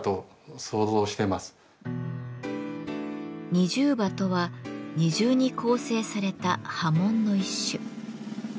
二重刃とは二重に構成された刃文の一種。